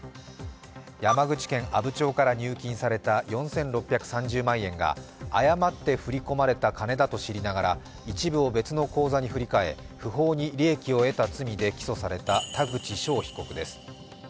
山口県阿武町から入金された４６３０万円が誤って振り込まれた金だと知りながら、一部を別の口座に振り替え不法に利益を得た罪で起訴された田口翔被告です。